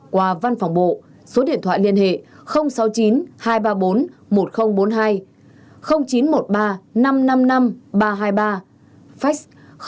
qua văn phòng bộ số điện thoại liên hệ sáu mươi chín hai trăm ba mươi bốn một nghìn bốn mươi hai chín trăm một mươi ba năm trăm năm mươi năm ba trăm hai mươi ba fax sáu mươi chín hai trăm ba mươi bốn